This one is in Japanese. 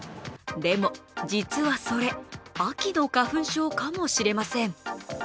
でも実はそれ、秋の花粉症かもしれません。